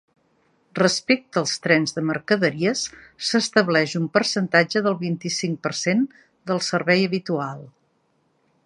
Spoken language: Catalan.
Respecte als trens de mercaderies, s’estableix un percentatge del vint-i-cinc per cent del servei habitual.